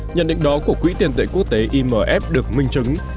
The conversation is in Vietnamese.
nhận định đó của quỹ tiền tệ quốc tế imf được minh chứng